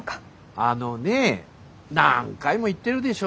あのね何回も言ってるでしょ？